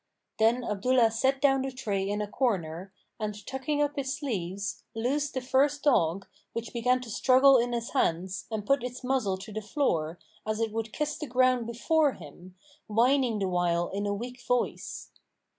Then Abdullah set down the tray in a comer and tucking up his sleeves, loosed the first dog, which began to struggle in his hands and put its muzzle to the floor, as it would kiss the ground before him, whining the while in a weak voice.